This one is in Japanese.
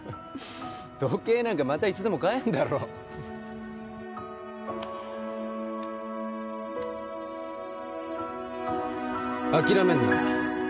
時計なんかまたいつでも買えんだろ諦めんな